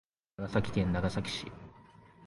長崎県長崎市